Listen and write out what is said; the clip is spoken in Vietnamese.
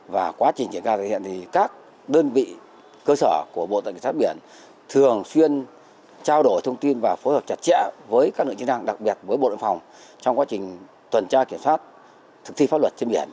và quá trình triển khai thực hiện thì các đơn vị cơ sở của bộ tài sát biển thường xuyên trao đổi thông tin và phối hợp chặt chẽ với các lượng chức năng đặc biệt với bộ đội phòng trong quá trình tuần tra kiểm soát thực thi pháp luật trên biển